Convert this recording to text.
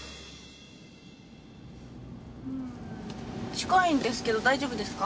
近いんですけど大丈夫ですか？